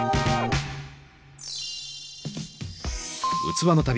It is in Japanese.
器の旅